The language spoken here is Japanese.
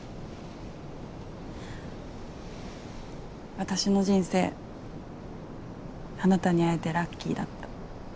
私の人生あなたに会えてラッキーだった。